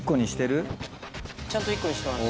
ちゃんと１個にしてます。